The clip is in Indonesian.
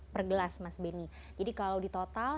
per gelas mas benny jadi kalau di total